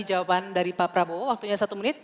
jawaban dari pak prabowo waktunya satu menit